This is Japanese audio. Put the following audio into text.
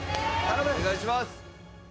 お願いします。